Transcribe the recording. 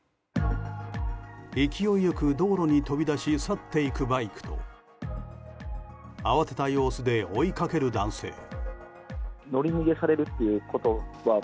勢いよく道路に飛び出し去っていくバイクと慌てた様子で追いかける男性。